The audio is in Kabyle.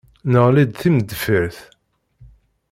Neɣli d timendeffirt.